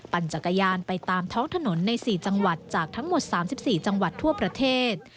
จักรยานไปตามท้องถนนใน๔จังหวัดจากทั้งหมด๓๔จังหวัดทั่วประเทศ